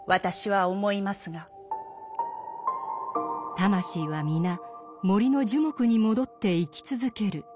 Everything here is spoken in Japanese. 魂は皆森の樹木に戻って生き続ける。